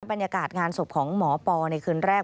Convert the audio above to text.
บรรยากาศงานศพของหมอปอในคืนแรก